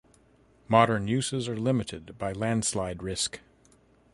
Modern uses are limited by landslide risk.